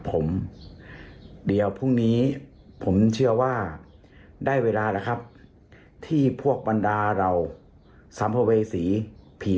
ผมเดี๋ยวพรุ่งนี้ผมเชื่อว่าได้เวลาแล้วครับที่พวกบรรดาเราสัมภเวษีผี